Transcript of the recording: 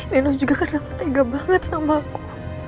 nino juga kadang ketega banget sama aku